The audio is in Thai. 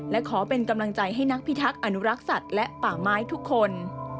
และขอเป็นกำลังใจให้นักพิทักษ์อนุรักษ์สัตว์และป่าไม้ทุกคน